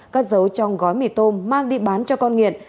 cất giấu trong gói mì tôm mang đi bán cho con nghiện